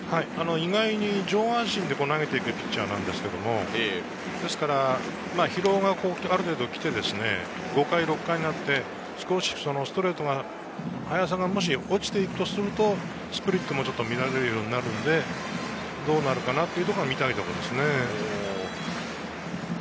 意外に上半身で投げていくピッチャーなんですけれど、疲労がある程度来て、５回、６回になって少しストレートの速さが落ちて行くとすると、スプリットも乱れるようになるので、どうなるのかなというところが見たいですね。